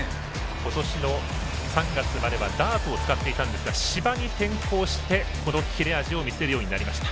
今年の３月まではダートを使っていたんですが芝に転向して切れ味を見せるようになりました。